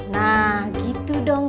nah gitu dong